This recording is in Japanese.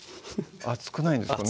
熱くないんですかね